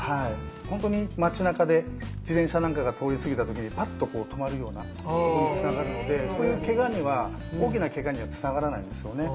ほんとに町なかで自転車なんかが通り過ぎた時にパッと止まるような動きにつながるのでそういうケガには大きなケガにはつながらないんですよね。